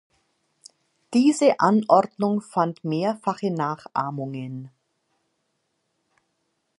Diese Anordnung fand mehrfache Nachahmungen.